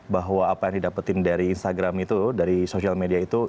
bahwa apa yang didapetin dari instagram itu dari social media itu